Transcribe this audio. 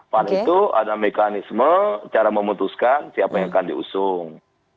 pan itu ada mekanisme cara memutuskan siapa yang akan diusung